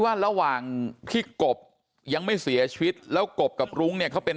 ว่าระหว่างที่กบยังไม่เสียชีวิตแล้วกบกับรุ้งเนี่ยเขาเป็น